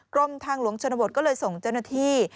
กรมทางหลวงชนบทก็เลยส่งเจ้าหน้าที่